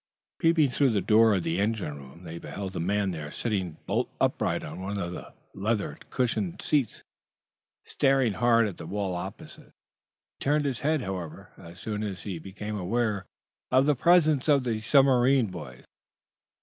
Peeping through the door of the engine room they beheld the man there sitting bolt upright on one of the leather cushioned seats, staring hard at the wall opposite. He turned his head, however, as soon as he became aware of the presence of the submarine boys.